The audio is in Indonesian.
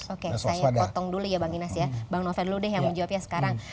oke saya potong dulu ya bang inas ya bang novel dulu deh yang menjawabnya sekarang